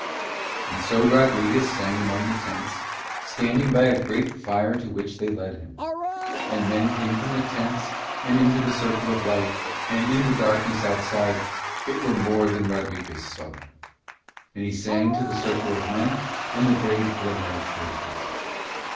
And so Rodriguez sang among the tents, standing by a great fire to which they led him; and men came from the tents and into the circle of light, and in the darkness outside it were more than Rodriguez saw. And he sang to the circle of men and the vague glimmer of faces.